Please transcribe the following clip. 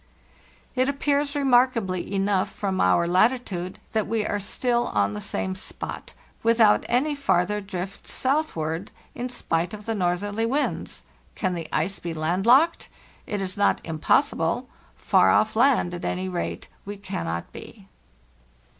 "Tt appears, remarkably enough, from our latitude that we are still on the same spot, without any farther drifts southward, in spite of the northerly winds. Can the ice be landlocked? It is not impossible; far off land, at any rate, we cannot be.